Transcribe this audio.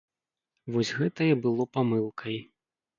Вось гэта і было памылкай.